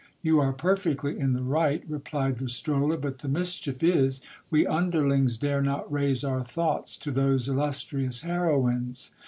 You are perfectly in the right, replied the stroller ; but the mischief is, we underlings dare not raise our thoughts to those illustrious heroines.